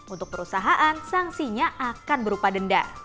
untuk perusahaan sanksinya akan berupa denda